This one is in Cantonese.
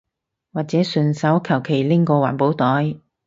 或者順手求其拎個環保袋